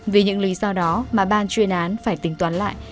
vì những lý do đó mà ban chuyên án phải tính toán lại